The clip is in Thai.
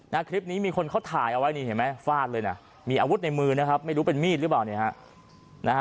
ในคลิปนี้มีคนเขาถ่ายเอาไว้ฟาดเลยนะมีอาวุธในมือนะครับไม่รู้เป็นมีดหรือเปล่า